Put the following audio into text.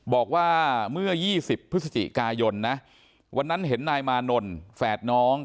บอกว่าเมื่อ๒๐พฤศจิกายนนะวันนั้นเห็นนายมานนท์แฝดน้อง